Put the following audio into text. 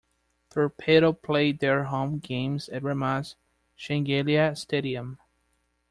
Torpedo play their home games at Ramaz Shengelia Stadium.